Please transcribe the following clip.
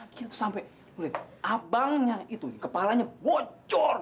gila tuh sampe abangnya itu kepalanya bocor